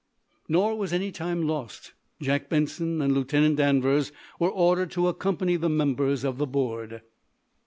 Nor was any time lost. Jack Benson and Lieutenant Danvers were ordered to accompany the members of the board.